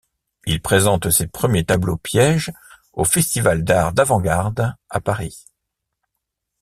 Il présente ses premiers tableaux-pièges au Festival d'art d'avant-garde à Paris.